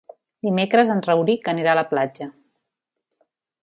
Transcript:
Dimecres en Rauric anirà a la platja.